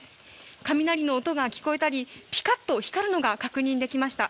雷の音が聞こえたりピカッと光るのが確認できました。